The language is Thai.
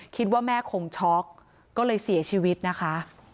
คิดว่าแม่คงช็อกก็เลยเสียชีวิตนะคะ